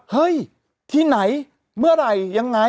เฮ้ยไม่ไหวเมื่ออะไรยังไง